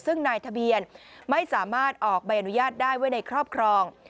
ซึ่งนายทะเบียนไม่สามารถออกใบอนุญาตได้ไว้ในครอบครอง